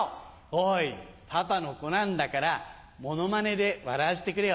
おいパパの子なんだからモノマネで笑わせてくれよ。